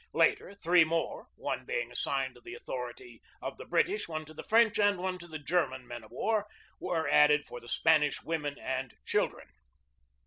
Later, three more, one being assigned to the author ity of the British, one to the French, and one to the German men of war, were added for the Spanish women and children.